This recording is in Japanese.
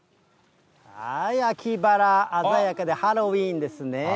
秋バラ、鮮やかでハロウィーンですね。